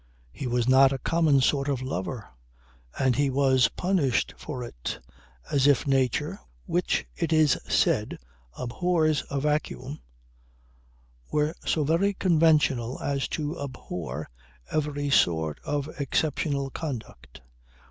He was not a common sort of lover; and he was punished for it as if Nature (which it is said abhors a vacuum) were so very conventional as to abhor every sort of exceptional conduct.